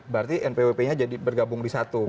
berarti npwp nya jadi bergabung di satu